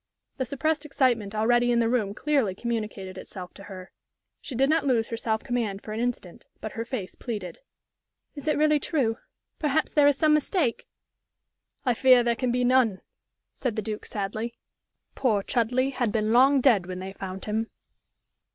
The suppressed excitement already in the room clearly communicated itself to her. She did not lose her self command for an instant, but her face pleaded. "Is it really true? Perhaps there is some mistake?" "I fear there can be none," said the Duke, sadly. "Poor Chudleigh had been long dead when they found him."